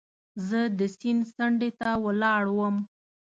زه د سیند څنډې ته ولاړ وم.